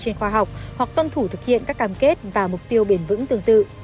trên khoa học hoặc tuân thủ thực hiện các cam kết và mục tiêu bền vững tương tự